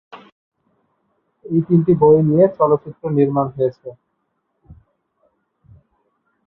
এই তিনটি বই নিয়ে চলচ্চিত্রও নির্মিত হয়েছে।